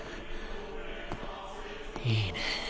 いいね。